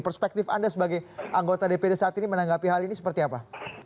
perspektif anda sebagai anggota dpd saat ini menanggapi hal ini seperti apa